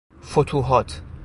فتوحات